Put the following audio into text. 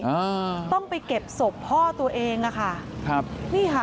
อ่าต้องไปเก็บศพพ่อตัวเองอ่ะค่ะครับนี่ค่ะ